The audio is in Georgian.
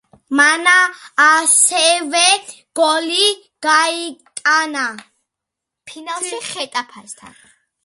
მან ასევე გოლი გაიტანა ფინალში ხეტაფესთან.